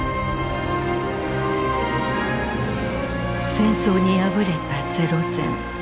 戦争に敗れた零戦。